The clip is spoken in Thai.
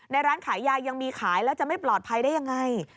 ร้านขายยายังมีขายแล้วจะไม่ปลอดภัยได้ยังไง